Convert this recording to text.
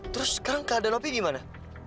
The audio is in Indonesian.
terus sekarang keadaan opi gimana